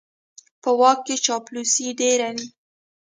په واک کې چاپلوسي ډېره وي.